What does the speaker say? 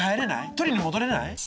取りに戻れない？